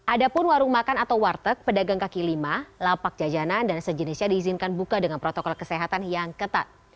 ada pun warung makan atau warteg pedagang kaki lima lapak jajanan dan sejenisnya diizinkan buka dengan protokol kesehatan yang ketat